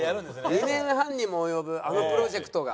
２年半にも及ぶあのプロジェクトが。